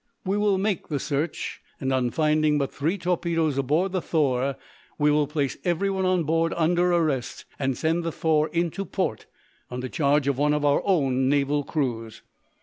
"We will make the search, and, on finding but three torpedoes aboard the 'Thor,' we will place everyone on board under arrest, and send the 'Thor' into port under charge of one of our own naval crews.